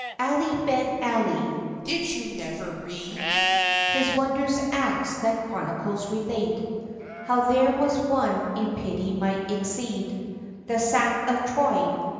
I. Ali Ben Ali (did you never read His wond'rous acts that chronicles relate, How there was one in pity might exceed The Sack of Troy?)